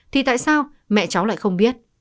thì tại sao mẹ cháu lại không biết